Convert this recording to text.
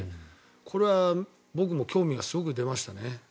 これは僕も興味がすごく出ましたね。